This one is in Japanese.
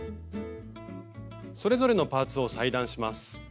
それぞれのパーツを裁断します。